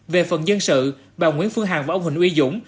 về phần dân sự bà nguyễn phương hằng và ông huỳnh uy dũng